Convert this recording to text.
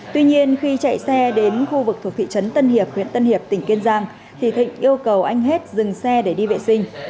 tuy nhiên khi chạy xe đến khu vực thuộc thị trấn tân hiệp huyện tân hiệp tỉnh kiên giang thì thịnh yêu cầu anh hết dừng xe để đi vệ sinh